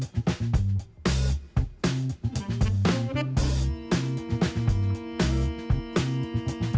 เมลิฟีตำนู่ที่หลังมต่อนะครับ